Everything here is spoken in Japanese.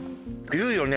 言うよね